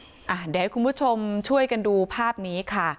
เดี๋ยวให้คุณผู้ชมช่วยกันดูภาพนี้ค่ะ